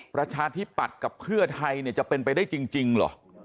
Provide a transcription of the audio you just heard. ประชาธิปัตย์กับเพื่อไทยเนี่ยจะเป็นไปได้จริงเหรอ